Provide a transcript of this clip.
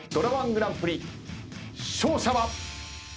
グランプリ勝者は？